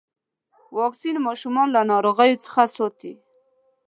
واکسین ماشومان له ناروغيو څخه ساتي.